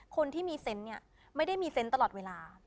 คนที่มีเซนต์เนี่ยไม่ได้มีเซนต์ตลอดเวลา